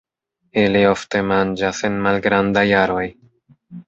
Ili ofte manĝas en malgrandaj aroj.